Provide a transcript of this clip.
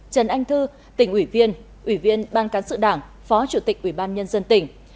trần anh thư tỉnh ủy viên ủy viên ban cán sự đảng phó chủ tịch ủy ban nhân dân tỉnh